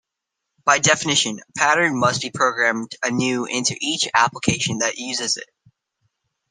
By definition, a pattern must be programmed anew into each application that uses it.